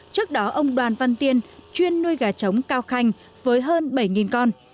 trước đó ông đoàn văn tiên chuyên nuôi gà trống cao khanh với hơn bảy con